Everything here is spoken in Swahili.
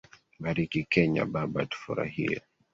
Bariki kenya baba tufurahie